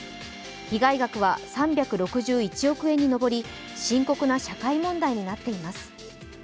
被害額は３６１億円に上り深刻な社会問題になっています。